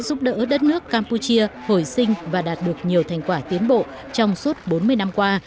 giúp đỡ đất nước campuchia hồi sinh và đạt được nhiều thành quả tiến bộ trong suốt bốn mươi năm qua